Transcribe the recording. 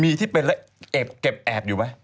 มีที่เป็นแล้วเก็บแอบอยู่ไหม